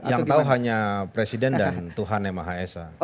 yang tahu hanya presiden dan tuhan yang maha esa